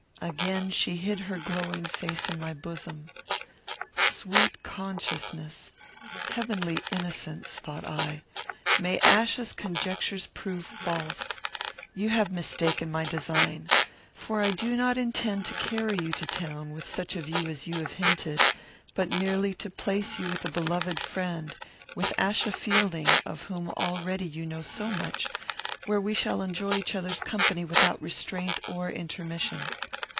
Again she hid her glowing face in my bosom. "Sweet consciousness! Heavenly innocence!" thought I; "may Achsa's conjectures prove false! You have mistaken my design, for I do not intend to carry you to town with such a view as you have hinted; but merely to place you with a beloved friend, with Achsa Fielding, of whom already you know so much, where we shall enjoy each other's company without restraint or intermission."